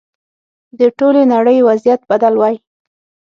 د ټولې نړۍ وضعیت بدل وای.